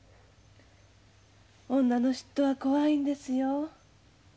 女のしっとは怖いんですよ。